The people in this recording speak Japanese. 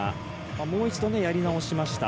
もう一度やり直しました。